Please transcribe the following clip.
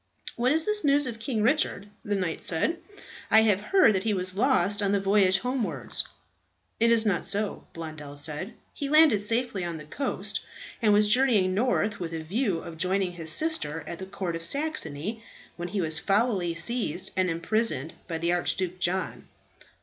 "What is the news of King Richard?" the knight said. "I have heard that he was lost on the voyage homewards." "It is not so," Blondel said. "He landed safely on the coast, and was journeying north with a view of joining his sister at the Court of Saxony, when he was foully seized and imprisoned by the Archduke John."